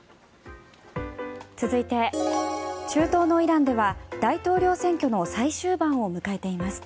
続いて中東のイランでは大統領選挙の最終盤を迎えています。